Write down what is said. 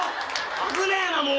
危ねえなもう！